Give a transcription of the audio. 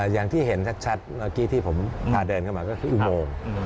อย่างที่เห็นชัดเมื่อกี้ที่ผมพาเดินเข้ามาก็คืออุโมง